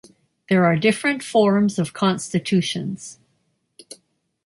There are different forms of constitutions.